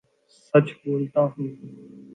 سچ بولتا ہوں